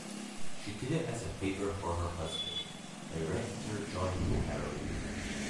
She did it as a favor for her husband, director John Farrow.